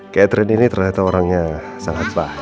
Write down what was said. catherine ini ternyata orangnya sangat pah